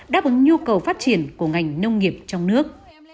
đáp ứng nhu cầu phát triển của ngành nông nghiệp trong nước